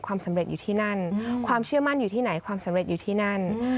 ความสำเร็จอยู่ที่นั่นความเชื่อมั่นอยู่ที่ไหนความสำเร็จอยู่ที่นั่น